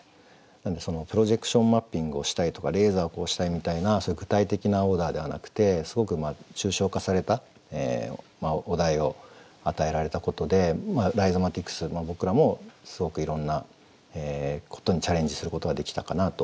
なんでプロジェクションマッピングをしたいとかレーザーをこうしたいみたいなそういう具体的なオーダーではなくてすごく抽象化されたお題を与えられたことでライゾマティクス僕らもすごくいろんなことにチャレンジすることができたかなと。